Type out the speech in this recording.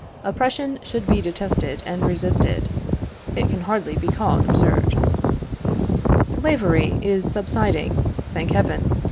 Oppression should be detested and resisted it can hardly be called absurd. Slavery is subsiding, thank heaven!